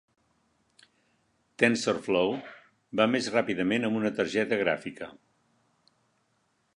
Tensorflow va més ràpidament amb una targeta gràfica.